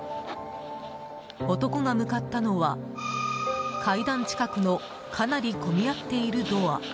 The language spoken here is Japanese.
男が向かったのは階段近くのかなり混み合っているドア。